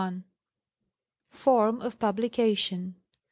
Form of Publication.